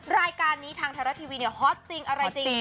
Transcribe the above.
รายการนี้ทางไทยรัฐทีวีเนี่ยฮอตจริงอะไรจริง